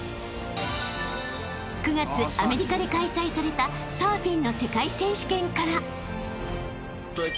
［９月アメリカで開催されたサーフィンの世界選手権から］